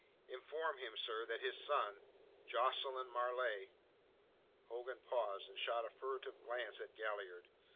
Inform him, sir, that his son, Jocelyn Marleigh... Hogan paused, and shot a furtive glance at Galliard.